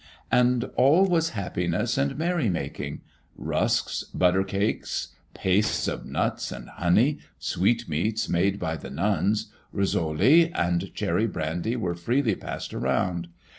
And all was happiness and merry making. Rusks, butter cakes, pastes of nuts and honey, sweetmeats made by the nuns, rosoli, and cherry brandy were freely passed around.